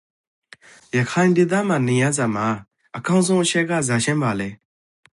ရခိုင်ဒေသမှာနိန်ရစွာမှာအကောင်းဆုံးအချက်က ဇာချင့်ပါလေ?